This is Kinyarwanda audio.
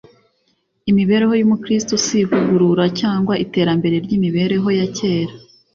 Imibereho y’Umukristo si ivugurura cyangwa iterambere ry’imibereho ya kera,